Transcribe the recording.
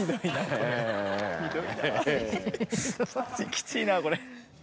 きついなこれ。